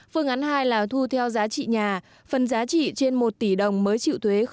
phương án hai là thu theo giá trị nhà phần giá trị trên một tỷ đồng mới chịu thuế